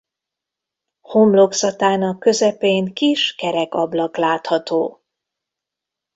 Homlokzatának közepén kis kerek ablak látható.